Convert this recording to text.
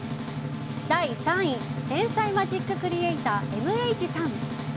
第３位天才マジッククリエーターＭＨさん。